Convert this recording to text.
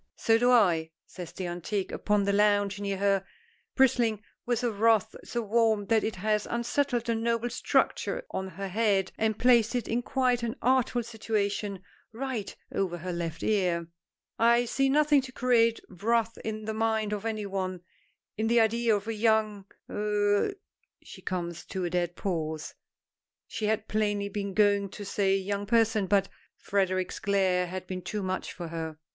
"So do I," says the antique upon the lounge near her, bristling with a wrath so warm that it has unsettled the noble structure on her head, and placed it in quite an artful situation, right over her left ear. "I see nothing to create wrath in the mind of any one, in the idea of a young er " She comes to a dead pause; she had plainly been going to say young person but Frederic's glare had been too much for her.